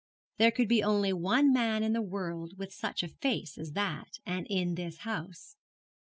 There could be only one man in the world with such a face as that, and in that house.